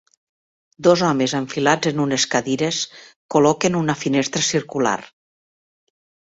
Dos homes enfilats en unes cadires col·loquen una finestra circular.